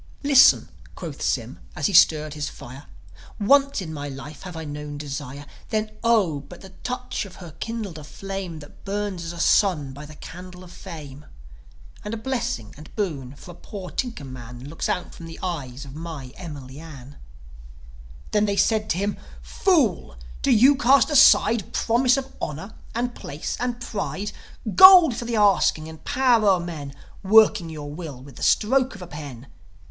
"Listen," quoth Sym, as he stirred his fire. "Once in my life have I known desire. Then, Oh, but the touch of her kindled a flame That burns as a sun by the candle of fame. And a blessing and boon for a poor tinker man Looks out from the eyes of my Emily Ann." Then they said to him, "Fool! Do you cast aside Promise of honour, and place, and pride, Gold for the asking, and power o'er men Working your will with the stroke of a pen?